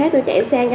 đưa ra cho nó